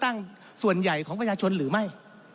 ท่านประธานก็เป็นสอสอมาหลายสมัย